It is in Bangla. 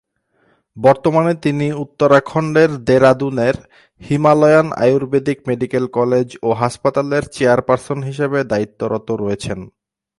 বর্তমানে তিনি উত্তরাখণ্ডের দেরাদুনের হিমালয়ান আয়ুর্বেদিক মেডিকেল কলেজ ও হাসপাতালের চেয়ারপারসন হিসেবে দায়িত্বরত রয়েছেন।